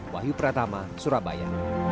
wahyu pratama surabaya